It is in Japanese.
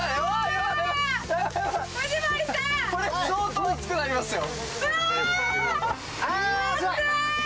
これ、相当暑くなりますよ！